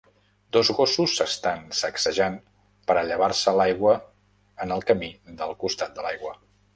Dos gossos s'estan sacsejant per a llevar-se l'aigua en el camí del costat de l'aigua